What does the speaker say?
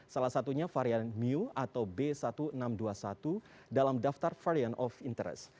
salah satunya varian mu atau b seribu enam ratus dua puluh satu dalam daftar varian of interest